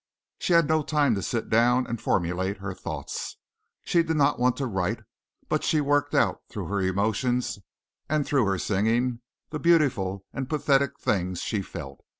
She had no time to sit down and formulate her thoughts; she did not want to write but she worked out through her emotions and through her singing the beautiful and pathetic things she felt.